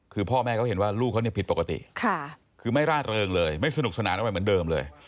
คือพ่อแม่เขาเห็นว่าลูกเขาผิดปกติคือไม่ร่าเริงเลยไม่สนุกสนานอะไรเหมือนเดิมเลย